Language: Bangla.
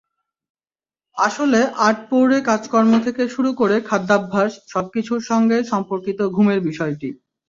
আসলে আটপৌরে কাজকর্ম থেকে শুরু করে খাদ্যাভ্যাস—সবকিছুর সঙ্গেই সম্পর্কিত ঘুমের বিষয়টি।